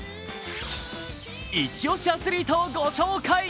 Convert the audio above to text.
イチ推しアスリートをご紹介。